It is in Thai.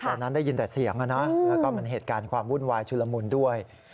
ตอนนั้นได้ยินแต่เสียงนะแล้วก็มันเหตุการณ์ความวุ่นวายชุลมุนด้วย